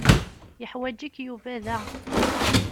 Yeḥwaǧ-ik Yuba da.